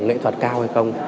nghệ thuật cao hay không